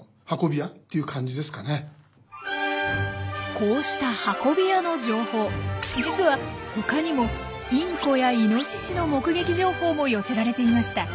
こうした運び屋の情報実は他にもインコやイノシシの目撃情報も寄せられていました。